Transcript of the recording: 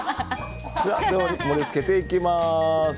盛り付けていきます。